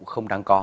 không đáng có